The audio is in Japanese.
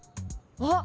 あっ！